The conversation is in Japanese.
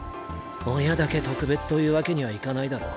親だけ特別というわけにはいかないだろ。